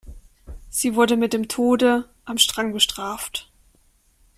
Sie wurden mit dem Tode am Strang bestraft.